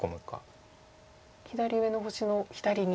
左上の星の左に。